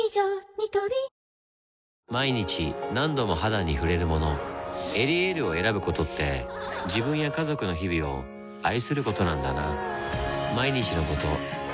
ニトリ毎日何度も肌に触れるもの「エリエール」を選ぶことって自分や家族の日々を愛することなんだなぁ